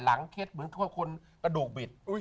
หลังเคล็ดเหมือนทุกคนกระดูกบิด